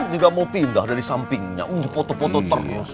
tidak mau pindah dari sampingnya untuk foto foto terus